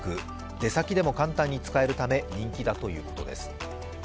出先でも簡単に使えるため人気だということです。